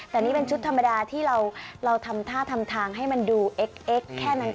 แต่นี่เป็นชุดธรรมดาที่เราทำท่าทำทางให้มันดูเอ็กซ์แค่นั้น